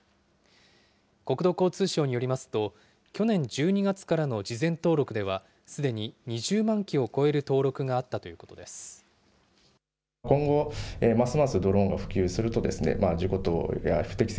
国土交通省によりますと、去年１２月からの事前登録では、すでに２０万機を超える登録があったということです。